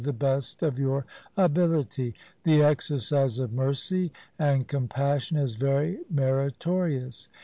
the best of your ability. The exercise of mercy and com passion is very meritorious.